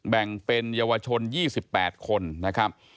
แบ่งเป็นเยาวชน๒๘คนนะครับ